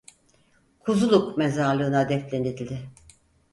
Kuzuluk mezarlığına defnedildi.